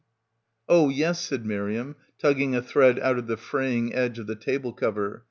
"Oh yes," said Miriam, tugging a thread out of the fraying edge of the table cover.